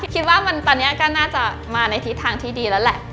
คิดว่าตอนนี้ก็น่าจะมาในทิศทางที่ดีแล้วแหละ